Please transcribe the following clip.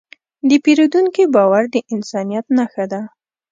د پیرودونکي باور د انسانیت نښه ده.